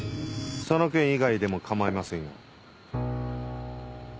その件以外でも構いませんよ。